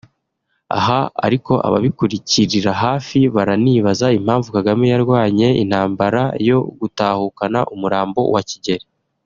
Aha ariko ababikurikirira hafi baranibaza impamvu Kagame yarwanye intambara yo gutahukana umurambo wa Kigeli